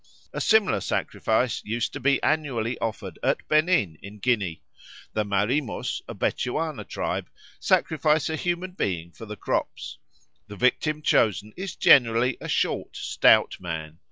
A similar sacrifice used to be annually offered at Benin, in Guinea. The Marimos, a Bechuana tribe, sacrifice a human being for the crops. The victim chosen is generally a short, stout man.